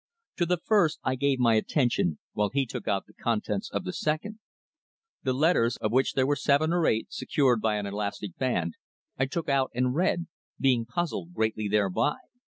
To the first I gave my attention, while he took out the contents of the second. The letters, of which there were seven or eight, secured by an elastic band, I took out and read, being puzzled greatly thereby.